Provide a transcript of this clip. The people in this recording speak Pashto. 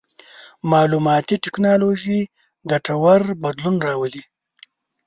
مالوماتي ټکنالوژي ګټور بدلون راولي.